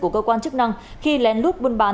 của cơ quan chức năng khi lén lút buôn bán